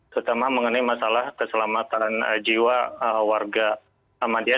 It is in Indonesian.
terutama mengenai masalah keselamatan jiwa warga ahmadiyah